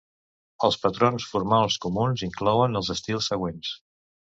Els patrons formals comuns inclouen els estils següents.